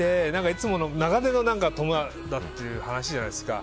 いつもの長年の友達という話じゃないですか。